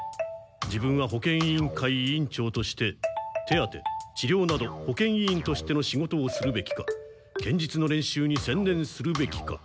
自分は保健委員会委員長として手当てちりょうなど保健委員としての仕事をするべきか剣術の練習にせん念するべきか。